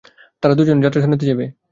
তারা দুজনে যাত্রা শুনিতে যাইবে।